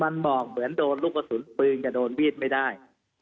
มันหมอกเหมือนโดนลูกกระสุนปืนจะโดนมีดไม่ได้